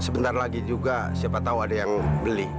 sebentar lagi juga siapa tahu ada yang beli